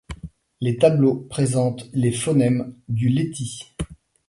Les tableaux présentent les phonèmes du leti.